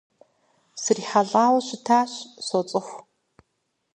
СрихьэлӀауэ щытащ, соцӀыху.